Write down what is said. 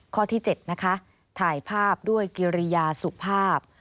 ข้อที่๗นะคะถ่ายภาพด้วยกิริยาสุภาพ